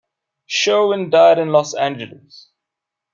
Sherwin died in Los Angeles.